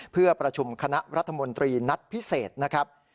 เพื่อประชุมคณะรัฐมนตรีนัดพิเศษนะครับ